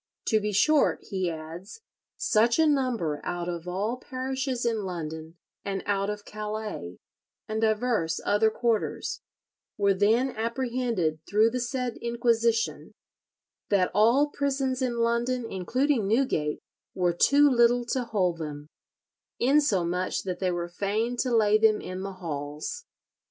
"To be short," he adds, "such a number out of all parishes in London, and out of Calais, and divers other quarters, were then apprehended through the said inquisition, that all prisons in London, including Newgate, were too little to hold them, insomuch that they were fain to lay them in the halls.